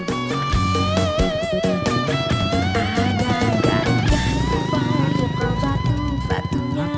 ada gajah yang dibalik ke batu batunya